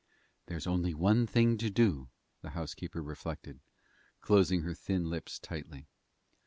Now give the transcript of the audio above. "There's only one thing to do," the housekeeper reflected, closing her thin lips tightly.